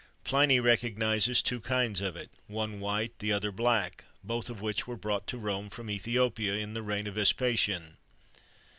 [XXIII 74] Pliny recognises two kinds of it one white, the other black, both of which were brought to Rome from Ethiopia, in the reign of Vespasian.